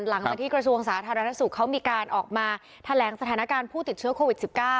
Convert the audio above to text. กระทรวงสาธารณสุขเขามีการออกมาแถลงสถานการณ์ผู้ติดเชื้อโควิด๑๙